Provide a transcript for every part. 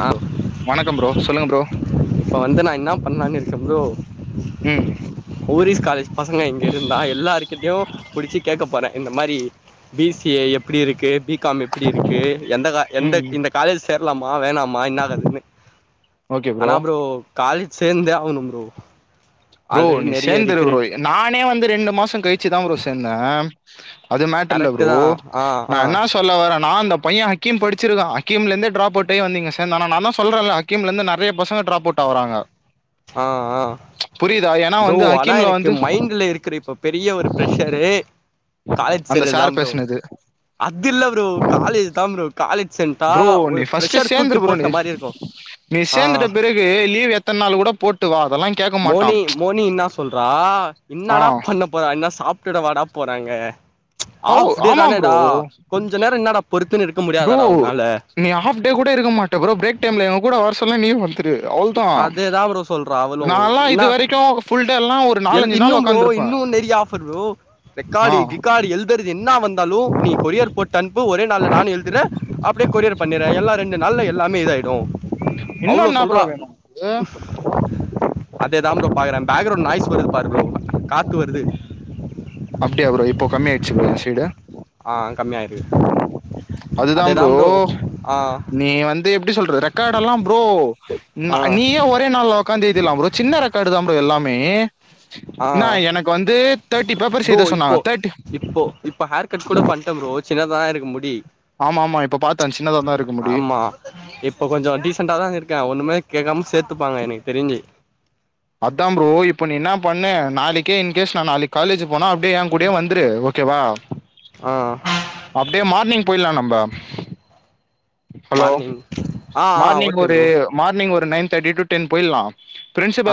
ஆ வணக்கம் ப்ரோ சொல்லுங்க ப்ரோ இப்ப வந்து நா என்னாப் பண்ணலான்னு இருக்கம் ப்ரோ ம் ஹோரிஸ் காலேஜ் பசங்க இங்க இருந்தா எல்லாருக்கிட்டயு புடிச்சு கேட்க போறே இந்த மாரி பி சி ஏ எப்டி இருக்கு பி காம் எப்டி இருக்கு எந்த க எந்த ம் இந்த காலேஜ் சேரலாமா வேணாமா என்னாததுன்னு ஆனா ப்ரோ காலேஜ் சேந்தே ஆவணு ப்ரோ ப்ரோ ஆல்ரெடி நீ நெறைய சேந்துரு ப்ரோ ரிக்ரெட் நானே வந்து ரெண்டு மாச கழிச்சுதா ப்ரோ சேந்த அது மேட்ரு இல்ல கரெக்ட் ப்ரோ தா ஆ நா ஆ என்ன சொ ல்ல வர நா அந்த பைய ஹக்கீம் படிச்சிருக்க ஹக்கீம்ல இருந்து ட்ராப் அவுட் ஆகி வந்து இங்க சேந்தா நா தா சொல்றல்ல ஹகீம்ல இருந்து நெறைய பசங்க ட்ராப் அவுட் ஆவறாங்க ஆ ஆ புரியதா ஏனா ப்ரோ ஆனா எனக்கு மைண்ட்ல இருக்கற இப்ப பெரிய ஒரு பிர்ரஷரு காலேஜ் அந்த சேறதா சார் ப்ரோ பேசுனது அது இல்ல ப்ரோ காலேஜ் தா ப்ரோ காலேஜ் சென்டா ப்ரோ நீ ஒரு ஃபர்ஸ்ட் ப்ரஷர் தூக்கி சேந்துரு ப்ரோ நீ போட்ட மாரி இருக்கும் நீ சேர்ந்துட்ட பிறகு லீவ் எத்தன நாள் கூட போட்டு வா அதெல்லா கேட்க மாட் மோனி மோனி என்ன சொல்றா ஆ என்னடா பண்ண போறா என்ன சாப்டுடவாடா போறாங்க ஓ ஹாஃப் டே ஆமா ப்ரோ தானேடா கொஞ்ச நேர என்னடா பொறுத்துன்னு இருக்க ப்ரோ முடியாதாடா ஒன்னால நீ ஹாஃப் டே கூட இருக்க மாட்ட ப்ரோ பிரேக் டைம்ல எங்கூட வர சொல்ல நீயு வ ந்ரு அவ்ளோதா அதேதா ப்ரோ சொல்றா அவளு நான்ல்லா என்னா இது வரைக்கு புல்டேல்லா ஒர்க் எல் இன்னு ப்ரோ இன்னு நெரியா ஆஃபர் ப்ரோ ஆ ரெக்கார்டு கிக்கார்டு எல் துறது என்னா வந்தாலு நீ கொரியர் போட்டு அனுப் பு ஒரே நாள்ல நானு எழுதுறே அப்டியே கொரியர் பண்ணிறே எல்லா ரெண்டு நாள்ல எல்லாமே இத ஆய்டு இன்னு அவ்ளோ என்ன ப்ரோ சொல்றா வேணு உனக்கு அதேதா ப்ரோ பாக்குறே பேக்ரவுண்ட் நாய்ஸ் வருது பாரு ப்ரோ காத்து வருது அப்டியா ப்ரோ இப்போ கம்மியாச்சு ப்ரோ என் சைடு ஆ கம்மி ஆயிருக் அது தா ப்ரோ நீ வந் து எப்டி சொல்றது ரெக்கார்ட் எல்லா ப்ரோ ஆ நீயே ஒரே நாள்ல உக்காந்து எழுதில்லா ப்ரோ சின்ன ரெக்கார்டுதா ப்ரோ எல்லாமே ஆ ன்ன எனக்கு வந்து தேர்ட்டி பேப்பர்ஸ் ப்ரோ எழுத இப்போ சொன்னாங்க தேர்ட்டி இப்போ இப்ப ஹேர் கட் கூட பண்டோ ப்ரோ சின்னதா இருக்கு முடி ஆமா ஆமா இப்ப பாத்தே சின்னதா தா இருக்கு முடி ஆமா இப்ப கொஞ்ச டீசண்டா தா இருக்கே ஒண்ணுமே கேக்காம சேத்துப்பாங்க எனக்கு தெரிஞ்சு அதா ப்ரோ இப்ப நீ என்ன பண்ண நாளைக்கே இன்கேஸ் நான் நாளைக் காலேஜ் போனா அப்டியே என் கூடயே வந்துரு ஓகேவா அ அப்டியே மார்னிங் போய்லா நம்ப ஹலோ மார்னிங் ஆ ஆ மார்னிங் ஓகே ஒரு ப்ரோ மார்னிங் ஒரு நைன் தேர்டி டு டென் போயிலா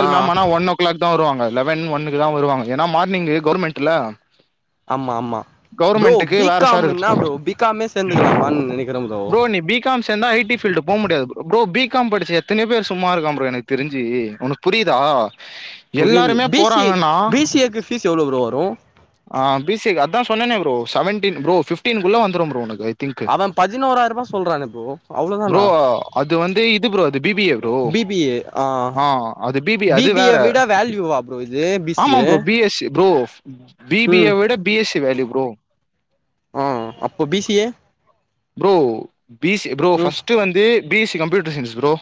ஆ மேம் ஆனா ஒன் ஓ கிளாக் தா வருவாங்க லெவன் ஒன்னுகு தா வருவாங்க ஏன்னா மார்னிங் கவர்மெண்ட்ல ஆமா ஆமா ப்ரோ கவர்மெண்ட்டுக்கு பி வேற சார் காம் என்னா இருக்கு ப்ரோ பிகாமே சேர்ந்துக்கலாமான்னு நெனைக்கிறே ப்ரோ பிக காம் சேந்தா அய் டி பீல்டு போக முடியாது ப்ரோ பி காம் படிச்ச எத்தனயோ பேர் சும்மா இருக்கா ப்ரோ எனக் தெரிஞ்சு ஒனக்கு புரியுதா புரியுது எல்லாருமே பி சி ஏ போறாங்கன்னா பி சி ஏ கு பீஸ் எவ்வளோ ப்ரோ வரு ஆ பி சி ஏ அதா சொன்னேன ப்ரோ செவன்டீன் ப்ரோ பிஃப்டீன்குள்ள வந்துரும் ப்ரோ உனக்கு ஐ திங்க் மேம் பதினோறாயிர ரூபா சொல்றாங்க ப்ரோ ப்ரோ அவ்ளோதானா அது வந்து இது ப்ரோ அது B B A bro B B A ஆ அது பி பி ஏ அது வேற விட வேல்யூவா ப்ரோ இது பி சி ஆமா A bro B S C bro B B A ம் விட B S C value bro ஆ அப்ப B C A bro B C bro ம் ஃபர்ஸ்டு வந்து B S C computer science bro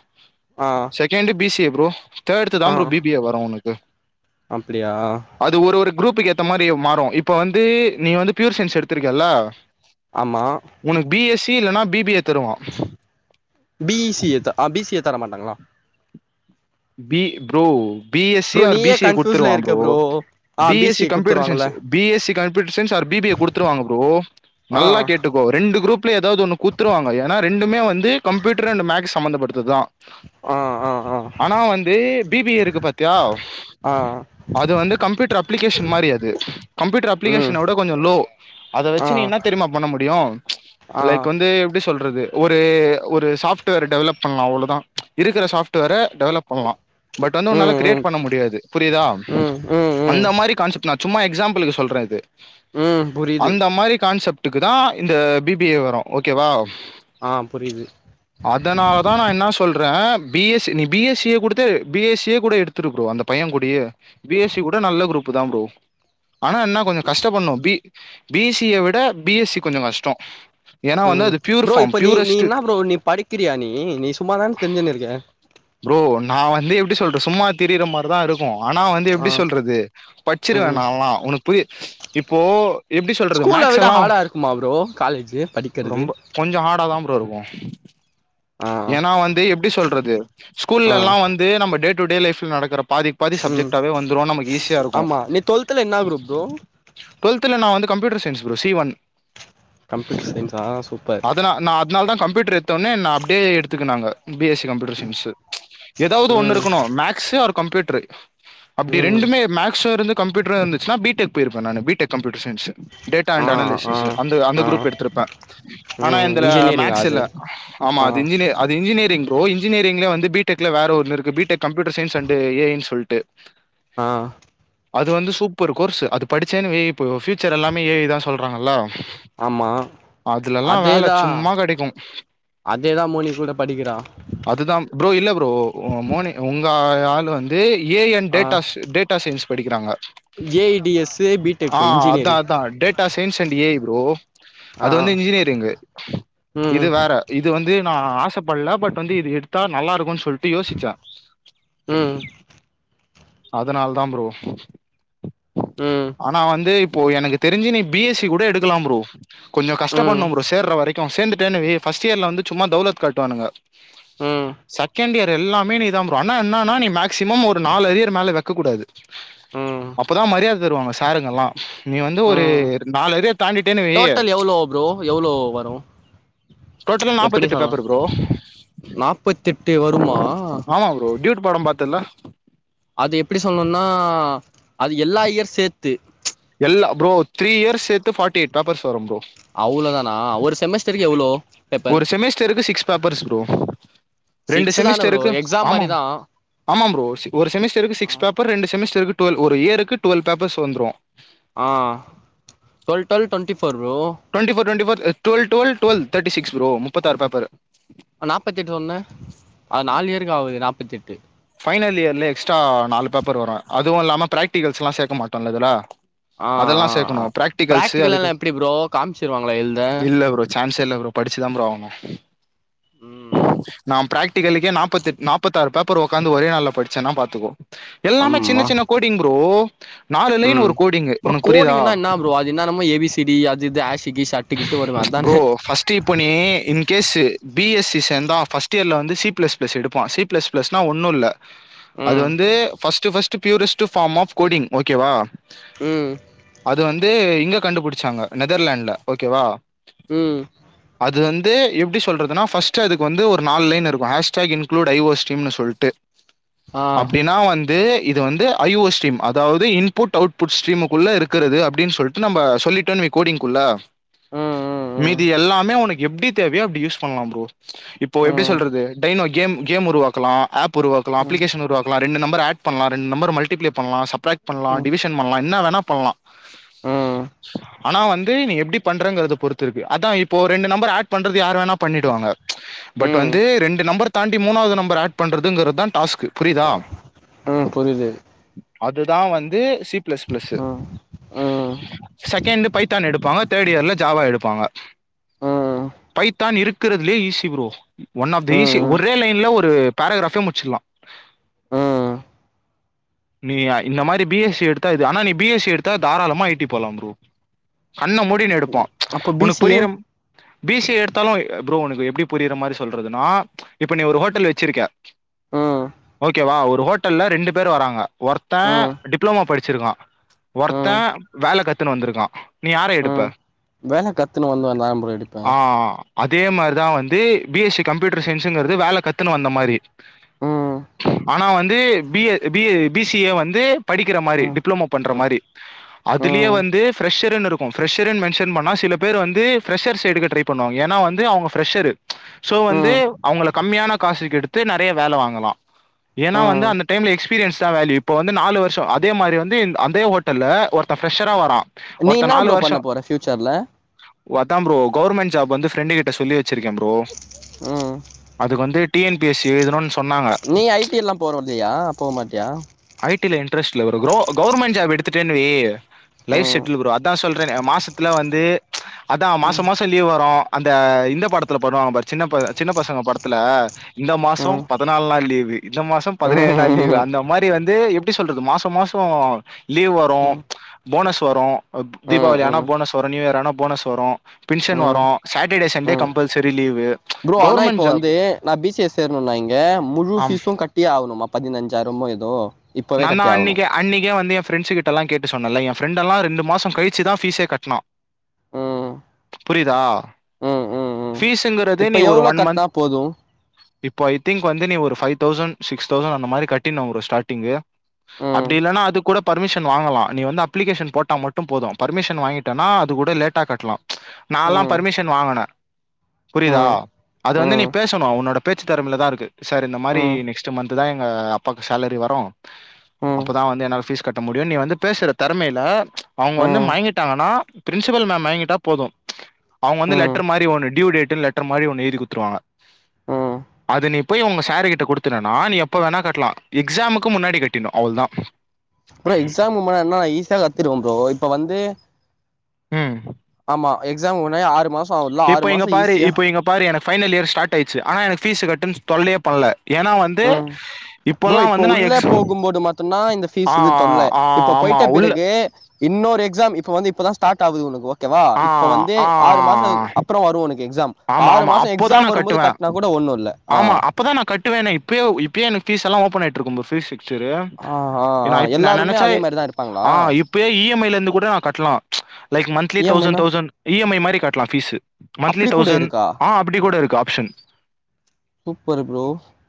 ஆ second B C A bro third தா ஆ bro B B A வரு ஒனக்கு அப்டியா அது ஒரு ஒரு குரூப்புக்கு ஏத்த மாரி மாறு இப்ப வந்து நீ வந்து ப்யூர் சயின்ஸ் எடுத்திருக்கல்ல ஆமா உனக்கு பி எஸ் சி இல்லனா பி பி ஏ தருவா பி ஈ சி எத்தா அ பி சி ஏ தரமாட்டாங்களா B bro B S C bro R B நீயே சி ஏ கன்ஃப்யூஸ்ல குடுத்துருவான் இருக்க ப்ரோ ஆ B S C A computer குடுத்துருவாங்கல்ல science B S C computer science R B B A குடுத்துருாங்க ப்ரோ ஆ நல்லா கேட்டு கோ ரெண்டு குரூப்ல எதாவது ஒண்ணு குத்துருவாங்க ஏனா ரெண்டுமே வந்து கம்ப்யூட்டர் அண்ட் மேக்ஸ் சம்பந்தப்பட்டதுதா ஆ ஆ ஆ ஆனா வந்து பி பி ஏ இருக்கு பாத்தியா ஆ அது வந்து கம்பியூட்டர் அப்ளிகேஷன் மாரி அது கம்ப்யூட்டர் ம் அப்ளிகேஷன விட கொஞ்ச லோ அத ஆ வச்சு நீ என்னா தெரியுமா பண்ண முடியு ஆ லைக் வந்து எப்டி சொல்றது ஒரு ஒரு சாஃப்ட்வேர் டெவலப் பண்லா அவ்ளோதா இருக்கற சாஃப்ட்வேர டெவலப் பண்லா பட் வந்து ம் உன்னால ம் கிரியேட் பண்ண முடியாது புரியுதா ம் ம் ம் அந்த மாரி கான்செப்ட் நா சும்மா எக்ஸாம்பிளுக்கு சொல்ற இது ம் புரியுது அந்த மாரி கான்செப்ட் ட்டுக்கு தா இந்த பி பி ஏ வரு ஓகேவா ஆ புரியுது அதனால தா நா என்ன சொல்ற பி எஸ் சி நீ பி எஸ் சிய குடுத்து பி எஸ் சியே கூட எடுத்துரு ப்ரோ அந்த பையன் கூடயே பி எஸ் சி கூட நல்ல குரூப்பு தா ப்ரோ ஆனா என்ன கொஞ்சோ கஷ்ட படனு பி பி சி ஏ விட பி எஸ் சி கொஞ்சோ கஷ்டோ ம் ப்ரோ இப்ப நீ நீ என்ன ப்ரோ நீ படிக்கிறியா நீ நீ சும்மா தான திரிஞ்சுன்னு இருக்க ப்ரோ நா வந்து எப்டி சொல்ற சும்மா திரிற மாரிதா இருக்கு ஆனா வந்து ஆ எப்டி சொல்றது பச்சிருவே ம் நால்லா உனக்கு புரி இப்போ எப்டி சொல்றது மேக்ஸ் எல்லா சும்மா ப்ரோ காலேஜ்ஜு படிக்கிறது கொஞ்சோ ஹாடாதா ப்ரோ இருக்கு ஆ ஏன்னா வந்து எப்டி சொல்றது ஆ ஸ்கூல்லல்லா வந்து நம்ம டே டூ டே லைஃப்ல நடக்கற பாதி பாதி ம் சப்ஜெக்ட்டாவே வந்துரு நமக்கு ஈஸியா இருக்கு ஆமா நீ டுவெல்த்ல என்ன குரூப் ப்ரோ டொல்த்துல நா வந்து computer science bro C one computer சயின்ஸா சூப்பர் அதனா நா அதனால தா கம்ப்யூட்ரு எத்தோன்னே ந அப்டே எடுத்துக்கனாங்க B S C computer science ஏதாவது ஒண்ணு ம் இருக்குணு மேக்ஸ்ஸு ஆர் கம்ப்யூட்ரு அப்டி ம் ரெண்டுமே மேக்ஸ்ஸு இருந்து கம்ப்யூட்ரு இருந்துச்சுனா பீ டெக் போய்ருப்ப நானு B tech computer science data ஆ அண்ட் ஆ அனாலிசிஸ்ஸு அந்த அந்த ஆ குரூப் எடுத்திருப்ப ஆனா ம் என்ந்துல இன்ஜினியரிங்கா மேக்ஸ் அது இல்ல ஆமா ஆ அது இன்ஜினே அது இன்ஜினியரிங் ப்ரோ இன்ஜினியேரிங்லே வந்து பி டெக்ல வேற ஒன்னு இருக்கு B tech computer science and A ஐனு சொல்ட்டு ஆ அது வந்து சூப்பர் கோர்சு அது படிச்சேன்னு வை இப்போ ஃபியூச்சர் எல்லாமே ஏ ஐதா சொல்றாங்கல்ல ஆமா அதுலல்லா வேல அதேதா சும்மா கடைக்கு அதேதா மோனிக் கூட படிக்கிறா அதுதா ப்ரோ இல்ல ப்ரோ மோனி உங்க ஆளு வந் து A and datas data science படிக்கிறாங்க ஜே டி எஸ்ஸு ஆ அதா அதா bro data science and A I bro ஆ அது வந்து இன்ஜினியரிங்கு ம் இது வேற இது வந்து நா ஆசப்படல பட் வந்து இது எடுத்தா நல்லா இருக்கு சொல் டு யோசிச்சா ம் அதனால தா ப்ரோ ம் ஆனா வந்து இப்போ எனக்கு தெரிஞ்சு நீ பி எஸ் சி கூட எடுக்கலாம் ப்ரோ கொஞ்சோ கஷ்ட ம் பட்ணு ப்ரோ சேர்ற வரைக்கும் சேர்ந்துட்டனு வை ஃபஸ்ட் இயர்ல வந்து சும்மா தௌலத் காட்டுவானுங்க ம் செகண்ட் இயர் எல்லாமே நீ தா ப்ரோ ஆனா என்னன்னா நீ மேக்சிமம் ஒரு நாலு அரியர் மேல வக்க கூடாது ம் அப்பதா மரியாத தருவாங்க சாருங்க எல்லா நீ வந்து ஒரு ம் நாலு அரியர் தாண்டிட்டனு வை டோட்டல் எவ்ளோ ப்ரோ எவ்ளோ வரு டோட்டலா எப்டி நாப்பத்தெட்டு சொல் பேப்பர் ப்ரோ நாப்பத்தெட்டு வருமா ஆமா ப்ரோ டியூட் படம் பாத்தல்ல அது எப்டி சொல்லணுனா அது எல்லா இயர் சேத்து எல்லா ப்ரோ த்ரீ இயர் சேத்து ஃபாட்டி எயிட் பேப்பர்ஸ் வரும் ப்ரோ அவ்ளோ தானா ஒரு செமஸ்டருக்கு எவ்ளோ பேப்பர் செமஸ்டருக்கு சிக்ஸ் பேப்பர்ஸ் ப்ரோ ரெண்டு சிக்ஸ் தான ப்ரோ செமிஸ்டருக்கு எக்ஸாம் ஆமா மாரிதா ஆமா ப்ரோ ஒரு செமிஸ்டருக்கு சிக்ஸ் பேப் பர் ரெண்டு செமிஸ்டருக்கு டுவல் ஒரு இயருக்கு டுவல் பேப்பர்ஸ் வந்துறு ஆ டுவல் டுவல் டுவெண்டி ஃப் four bro twenty four twenty four twelve twelve twelve thirty six bro முப்பத்தாறு பேப்பரு நாப்பத்தி எட்டு சொன்னே அது நாலு இயருக்கு ஆகுது நாப்பத்தி எட்டு ஃபைனல் இயர்ல எக்ஸ்டா நாலு பேப்பர் வரு அதுவு இல்லாம பிராக்டிகல்ஸ் எல்லா சேக்க மாட்டோல இதுல ஆ அதெல்லா ஆ ஆ சேக்கணு பிராக்டிகல்ஸ் பிராக்டிகல் அதுக்கு எல்லா அப் எப்டி ப்ரோ காமிச்சிருவாங்களா எழுத இல்ல ப்ரோ சான்ஸே இல்ல ப்ரோ படிச்சுதா ப்ரோ ஆவணு ம் நா பிராக் டிகளுக்கே நாப்பத்தெட் நாப்பத்தாறு பேப்பர் ஒக்காந்து ஒரே நாள்ள படிச்சனா பாத்துக்கோ எல்லாமே சின்ன ஆமா சின்ன கோடிங் ப் ரோ ம் அப்புறோ கோடிங்னா என்ன ப்ரோ அது என்னான்னமோ ஏபிசிடி அது இது ஆசிகி சாட் ட்டுக்கிட்டு வரு அதானே ஃபஸ்ட் இப்ப நீ இன்கேஸ் பி எஸ் சி சேர்ந்தா ஃபர்ஸ்ட் இயர்ல வந்து சி பிளஸ் பிளஸ் எடுப்பா சி பிளஸ் பிளஸ் நா ஒன்னு இல்ல அது ம் வந்து first first purest form of coding ஓகேவா ம் அது வந்து இங்க கண்டுபிடிச்சாங்க நெதர்லாண்ட்ல ஓகேவா ம் அது வந்து எப்படி சொல்றதுனா ஃபஸ்ட் அதுக்கு வந்து ஒரு நாளு லைன் இருக்கு ஹஷ்டேக் இன்க்ளூட் ஐ ஓ ஸ்டரீம்னு சொல்ட்டு ஆ அப்டினா வந் து இது வந்து ஐஓ ஸ்ட்ரீம் அதாவது இன்புட் அவுட்புட் ஸ்டிமுக்குள்ள இருக்கிறது அப்டின் சொல்ட்டு இது நம்ப சொல்லிட்டோன் வை கோடிங்குள்ள அ மீதி எல்லாமே உனக்கு எப்டி தேவையோ அப்டி யூஸ் பண்லா ப்ரோ இப்போ எப்டி ம் சொல்றது டைனோ கேம் கேம் உருவாக்கலா ஆப் உருவாக்கலா ம் அப்ளிகேஷன் உருவாக்கலா ரெண்டு நம்பர் ஆட் பண்லா ரெண்டு நம்பர் மல்டிபிளை பண்லா சப்டிராக்ட் பண்லா ம் டிவிஷன் பண்லா என்ன வேணா பண்லா ம் ம் ஆனா வந்து நீ எப்டி பண்றங்கறத பொறுத்து இருக்கு அதா இப்போ ரெண்டு நம்பர் ஆட் பண்றது யார் வேணா பண்ணிடுவாங்க பட் ம் வந்து ரெண்டு நம்பர் தாண்டி மூணாவது நம்பர் ஆட் பண்றதுங்கற தா டாஸ்க் புரியுதா ம் புரிது அதுதா வந்து சி பிளஸ் பிளஸ் ம் ம் செகண்ட் பைத்தா எடுப்பாங்க தேட் இயர்ல ஜாவா எடுப்பாங்க ம் பைத்தான் இருக்கிறதுலயே easy bro one of the easy ம் ஒரே லைன்ல ஒரு பேரகிராபே முச்சிலா ம் நீ யா இந்த மாரி பி எஸ் சி எடுத்தா இது ஆனா நீ பி எஸ் சி எடுத்தா தாராளமா ஐ டி போலாப்ரோ கண்ண மூடிகின்னு எடுப்ப அப்ப பி உனக் சி ஏ புரியிற பி சி ஏ எடுத்தாலு ப்ரோ உனக்கு எப்டி புரியிற மாரி சொல்றதுன்னா இப்ப நீ ஒரு ஹோட்டல் வச்சிருக்க ம் ஓகேவா ஒரு ஹோட்டல்ல ரெண்டு பேர் வராங்க ஒருத்த ம் டிப்ளோமா படிச்சிருக்கா ஒருத்த ம் வேல கத்துன்னு வந்திருக்கா நீ யார ம் எடுப்ப வேல கத்துன்னு வந்து தா ப்ரோ எடுப்பே ஆ ஆ ஆ அதே மாரிதா வந்து பி எஸசி கம்ப்யூட்டர் சயின்ஸுங்கறது வேல கத்துன்னு வந்த மாரி ம் ஆனா வந்து B A B A B C A வந்து படிக்கிற மாரி ம் டிப்ளமோ பண்ற ம் மாரி அதுலியே ம் வந்து ஃப்ரஷர்ன்னு இருக்கு ஃப்ரஷர்ன்னு மென்ஷன் பன்னா சில பேர் வந்து ஃப்ரஷர்ஸ்ஸு எடுக்க ட்ரை பண்ணுவாங்க ஏன்னா வந்து அவுங்க ஃப்ரெஷ்ரு சோ வந்து ம் அவுங்க கம்மியான காசுக்கு எடுத்து நெறைய வேல வாங்கலா ஏன்னா வந்து ம் அந்த டைம்ல எக்ஸ் பீரியன்ஸ் தா வேலயூ இப்ப வந்து நாலு வர்ஷோ அதே மாரி வந்து இந் அந்தே ஹோட்டல்ல ஒருத்த ஃப்ரெஷரா வரா நீ இன்னா ப்ரோ பண்ண போற ஃப்யூச்சர்ல ஒதா ப்ரோ கவுர்மெண்ட் ஜாப் வந்து ஃப்ரெண்டு கிட்ட சொல்லி வச்சிருக்கே ப்ரோ ம் அதுக்கு வந்து T N P S C எழுதுன்னு நீ ஐ டி எல்லா போறவல்லியா போமாட்டியா ஐ டி ல இன்ட்ரெஸ்ட்ல்ல ப்ரோ கிரௌ கவர்மெண்ட் ஜாப் எடுத்துட்டான்னு வை லைப் ம் செட்டில்லு ப்ரோ அ தா சொல்றனே மாசத்துல வந்து அதா மாச மாச லீவ் வரு அந்த இந்த படத்துல பண்ணுவாங்க பாரு சின்ன ப சின்ன பசங்க படத்துல இந்த மாசோ ம் பதினாலு நாள் லீவு இந்த மாசோ ம் பதினேழு நாள் லீவு ம் அந்த மாரி வந்து எப்டி சொல்றது மாச மாசோ லீவ் வரு ம் போனஸ் வரு தீபாளி ஆனா ம் போனஸ் வரு நியூ இயர் ஆனா போனஸ் வரு பின்ஷன் ம் வரு சாட்டர்டே சண்டே ம் கம்பல்சரி லீவு ப்ரோ ஆனா இப்ப கவர்மெண்ட் ஜாப் வந்து நா பி சி எ சேர்ணும்னா இங்க முழு ஆமா பீஸும் கட் டியே ஆவுணுமா பதினஞ்சாயிறமோ எதோ நா தா அன்னிக்கே அன்னிக்கே வந்து என் ஃப்ரெண்ட் கிட்டொலா கேட்டு சொன்னல்ல என் ஃப்ரெல்லா ரெண்டு மாசோ கழிச்சி தா ஃப்ஸே கட்டுனா ம் புரியுதா ம் ம் ம் ஃபீஸ்ங்கறதே இப்ப நீ ஒரு எவ்ளோ ஒன் மந்த் கட்னா போது இப்போ ஐ திங்க் வந்து நீ ஒரு ஃபை தௌசண்ட் சிக்ஸ் தௌசண்ட் அந்த மாரி கட்டினு ப்ரோ ஸ்டார்டிங்கு ம் அப்டி இல்லன்னா அது கூடப் பர்மிஷன் வாங்கலா நீ வந்து அப்ளிகேஷன் போட்டா மட்டு போது பர்மிஷன் வாங்கிட்டனா அது கூட லேட்டா கட்லா நால்லா ம் பர்மிஷன் வாங்கின ம் புரியுதா ம் அது வந்து நீ ம் பேசணு உன்னோட பேச்சு தேரமையில தா இருக்கு சார் இந்த மாரி ம் நெக்ஸ்ட் மந்த் தா எங்க அப்பாக்கு சேலரி வ ரோ ம் அப்போதா வந்து என்னால ஃபீஸ் கட்ட முடியு நீ வந்து பேசுற தேறமையில அவுங்க வந்து ம் மயங்கிட்டாங்கன்னா பிரின்சிபல் மேம் மயங்கிட்ட போது அவுங்க வந்து ம் லெட்டர் மாரி ஒன்னு டூயு டேட்ன்னு லெட்ரு மாரி எய்தி குடுத்துருவாங்க அது நீ போய் உங்க சாரு கிட்ட குடுத்துறன்னா நீ எப்ப வேணா கட்டலா எக்ஸாமுக் கு முன்னடி கட்டினு அவ்ளோ தா ப்ரோ எக்ஸாமுக் முன்னா நா ஈஸிய கத்திருவே ப்ரோ இப்ப வந்து ம் ஆமா எக்ஸா முன்னடி ஆறு மாசோ ஆகுல ஆறு இப்ப மாச இங்க பாரு ஈஸியா இப்ப இங்க பாரு எனக்கு ஃபைனல் இயர் ஸ்டர்ட் ஆயிச்சு ஆனா எனக்கு ஃபீஸ்ஸு கட்டுன் தொல்லயே பண்ல ஏனா வந்து ம் ப்ரோ இப்போல்லா இப்போ வந்து நான் உள்ள எக்ஸ் போகும்போது மட்டுந்தா இந்த ஃபீஸ் ஆ இது தொல்ல ஆ ஆ இப்ப ஆமா போயிட்ட உள்ள பிறகு இன்னொரு எக்ஸாம் இப்ப வந்து இப்பதா ஸ்டார் ஆகுது உனக்கு ஓகேவா ஆ இப்ப வந்து ஆ ஆறு மாச அப் வரும் உனக்கு எக்ஸாம் றோ வரு ஆமா ஆறு ஆமா மாசோ அப்போதா எக்ஸாம் வரும்போது கட்டுவே கட்னா கூட ஒன்னில்ல ஆமா. இப்பதா நா கட்டுவேனே இப்பையோ இப்பயே எனக்கு ஃபீஸ்ல்லா ஓப்பன் ஆட்டிருக்கு ப்ரோ ஃப்ரீ சீட்டு செரியா ஆ ஆ ஆ நா இப் நா எல்லாருமே நெனச்சா அதே மாரிதா இருப்பாங்களா ஆ இப் ப்பே இ எம் ஐல இருந்து கூட நா கட்லா like monthly E M I thousand னா தௌசண் இ எம் ஐ மாரி கட்லா ஃபீசு மந்த்லி அப்டி கூட தௌசண் இருக்கா ஆ அப்டி கூட இருக்கு option super bro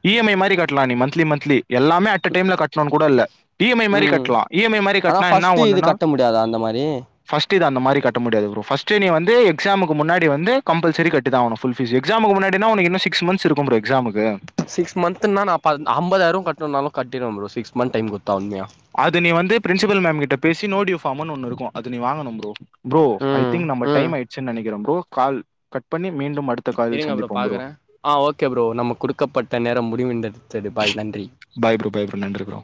E M I மாரி கட்லா நீ மந்த்லி மந்த்லி எல்லாமே அட் டடைம்ல கட்டணு கூட இல்ல இ எம் ஐ மாரி ம் கட்லா இ எம் ஐ மாரி கட்னா என்ன ஒண்ணுன்னா த அந்த மாரி ஃப்ஸ்ட் இது அந்த மாரி கட்ட முடியாது ப்ரோ ஃபஸ்டு நீ வந்து எக்ஸாமுக்கு முன்னாடி வந்து கம்பல்செரி கட்டி தா ஆவணு ஃபுல் ஃபீசு எக்ஸாமு முன்னாடின உனக்கு இன்னு சிக்ஸ் மந்த்ஸ் இருக்கு ப்ரோ எக்ஸமுக்கு சிக்ஸ் மந்த்னா நா ஐம்பதாயிரோ கட்னுனாலு கட்டிருவே ப்ரோ சிக்ஸ் மந்த் டைம் குடுத்தா உண்மையா அது நீ வந்து பிரின்சிபல் மேம் கிட்ட பேசி நோடி ஃபாம்னு ஒண்ணு இருக்கு அது நீ வாங்கணு ப்ரோ ப்ரோ ஐ ம் திங்க் நம்ம ம் டைம் ஆயிடுச்சு நெனைக்கிறே ப்ரோ கால் கட் பண்ணி மீண்டும் அடுத் இருங்க ப்ரோ பாக்குறே ஆ ஓகே ப்ரோ நம்ம குடுக்கப்பட்ட நேரம் முடிவுந்தது தெரியு பாய் நன்றி பைய் ப்ரோ பைய் ப்ரோ நன்றி ப்ரோ